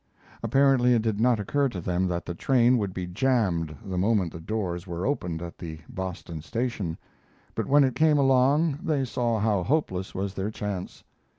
Apparently it did not occur to them that the train would be jammed the moment the doors were opened at the Boston station; but when it came along they saw how hopeless was their chance.